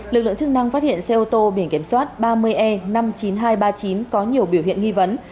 lực lượng chức năng phát hiện xe ô tô biển kiểm soát ba mươi e năm mươi chín nghìn hai trăm ba mươi chín có nhiều biểu hiện nghi vấn